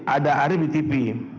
ada arief di tv